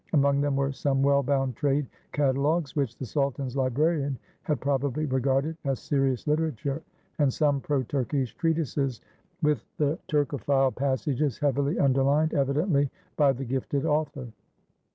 Among them were some well bound trade catalogues, which the sultan's librarian had probably regarded as serious literature, and some pro Turkish treatises with the Turkophile passages heavily underlined, evidently by the gifted author.